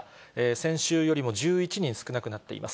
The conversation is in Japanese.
先週よりも１１人少なくなっています。